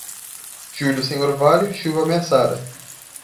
Julho sem orvalho, chuva ameaçada.